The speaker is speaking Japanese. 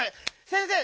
先生！